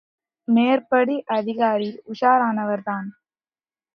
மேற்படி அதிகாரி உஷாரானவர்தான்.